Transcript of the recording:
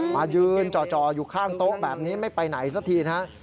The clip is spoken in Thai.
มายืนจ่ออยู่ข้างโต๊ะแบบนี้ไม่ไปไหนสักทีนะฮะ